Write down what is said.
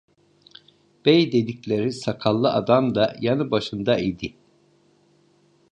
Bey dedikleri sakallı adam da yanı başında idi.